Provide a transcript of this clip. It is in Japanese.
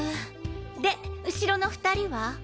で後ろの２人は？